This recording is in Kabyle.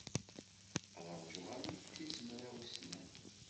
Ad ṛjuɣ arma d tis mraw snat.